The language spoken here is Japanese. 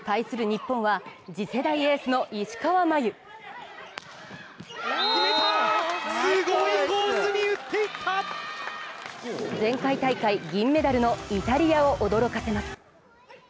日本は、次世代エースの石川真佑。前回大会、銀メダルのイタリアを驚かせます。